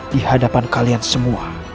di hadapan kalian semua